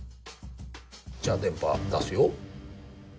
じゃあ電波出すよ。